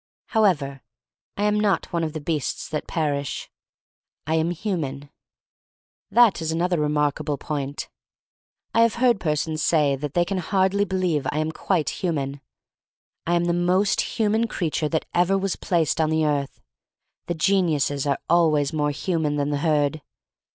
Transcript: However, I am not one of the beasts that perish. I am human. That is another remarkable point. I have heard persons say they can hardly believe I am quite human. I am the most human creature that ever was placed on the earth. The geniuses are always more human than the herd.